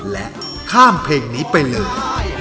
และข้ามเพลงนี้ไปเลย